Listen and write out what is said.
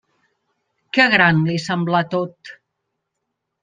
Que gran li semblà tot!